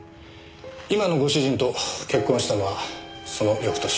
今のご主人と結婚したのはその翌年。